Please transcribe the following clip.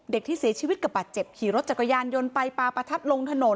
ที่เสียชีวิตกับบาดเจ็บขี่รถจักรยานยนต์ไปปลาประทัดลงถนน